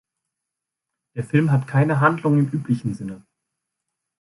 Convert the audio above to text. Der Film hat keine Handlung im üblichen Sinne.